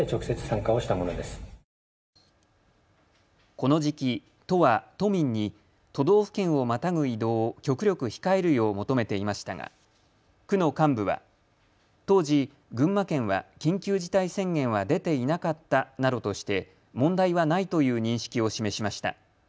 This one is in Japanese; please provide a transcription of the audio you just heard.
この時期、都は都民に都道府県をまたぐ移動を極力控えるよう求めていましたが区の幹部は当時、群馬県は緊急事態宣言は出ていなかったなどとして問題はないという認識を示しました。